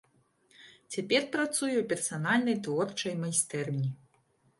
Цяпер працуе ў персанальнай творчай майстэрні.